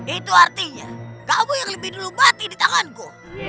itu artinya kamu yang lebih dulu mati di tanganku